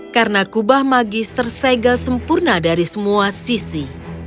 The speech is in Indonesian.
karena kubah magis tersegel sempurna dari semua sisi